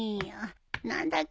何だっけ？